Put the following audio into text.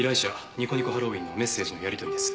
にこにこハロウィーンのメッセージのやりとりです。